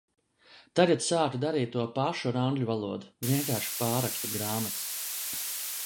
Tagad sāku darīt to pašu ar angļu valodu. Vienkārši pārrakstu grāmatas.